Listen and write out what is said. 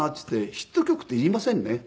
ヒット曲っていりませんね